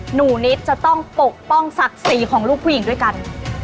หนูนิดจะต้องปกป้องศักดิ์ศรีของลูกผู้หญิงด้วยกัน